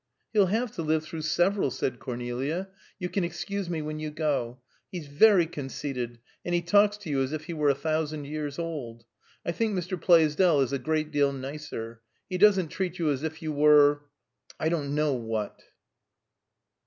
"He'll have to live through several," said Cornelia; "You can excuse me when you go. He's very conceited, and he talks to you as if he were a thousand years old. I think Mr. Plaisdell is a great deal nicer. He doesn't treat you as if you were I don't know what!"